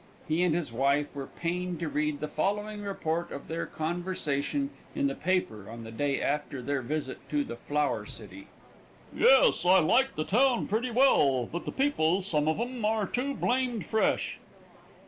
He and his wife were pained to read the following report of their conversation in the paper on the day after their visit to the flour city: "Yes, I like the town pretty well, but the people, some of 'em, are too blamed fresh."